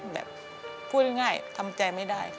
แบบพูดง่ายทำใจไม่ได้